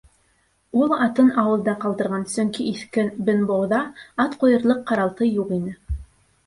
Ул атын ауылда ҡалдырған, сөнки иҫке «Бенбоу»ҙа ат ҡуйырлыҡ ҡаралты юҡ ине.